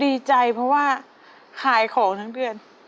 ดีใจเพราะว่าขายของทั้งเดือน